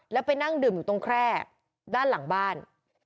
แล้วไปนั่งดื่มอยู่ตรงแคร่ด้านหลังบ้าน